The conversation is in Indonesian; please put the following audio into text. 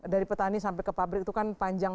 dari petani sampai ke pabrik itu kan panjang